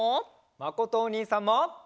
まことおにいさんも！